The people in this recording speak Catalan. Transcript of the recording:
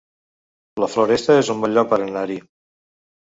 La Floresta es un bon lloc per anar-hi